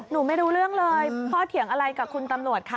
ไม่รู้เรื่องเลยพ่อเถียงอะไรกับคุณตำรวจคะ